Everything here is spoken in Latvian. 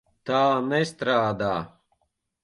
Tā nestrādā.